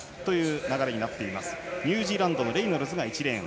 ニュージーランドのレイノルズ１レーン。